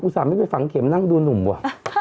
อุตส่าห์ไม่ไปฝังเข็มนั่งดูหนุ่มว่ะไม่ได้